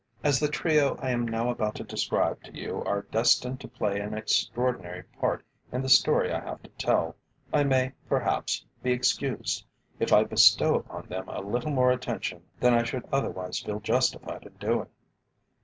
As the trio I am now about to describe to you are destined to play an extraordinary part in the story I have to tell, I may, perhaps, be excused if I bestow upon them a little more attention than I should otherwise feel justified in doing.